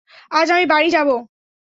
আজ আমি বাড়ি যাবো।